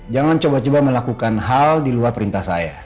jangan coba coba melakukan hal di luar perintah saya